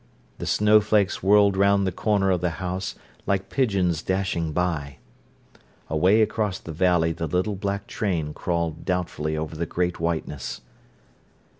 The snowflakes whirled round the corner of the house, like pigeons dashing by. Away across the valley the little black train crawled doubtfully over the great whiteness.